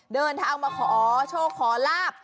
เดินทางมาขอโชคขอลาบ